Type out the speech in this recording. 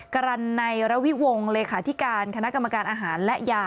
กรรณัยระวิวงศ์เลขาธิการคณะกรรมการอาหารและยา